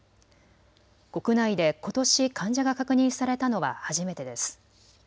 国内でことし患者が確認されたのは初めてです。